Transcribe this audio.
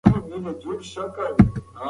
د خپلواکۍ ساتنه يې مهمه ګڼله.